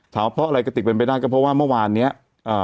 เพราะอะไรกระติกเป็นไปได้ก็เพราะว่าเมื่อวานเนี้ยเอ่อ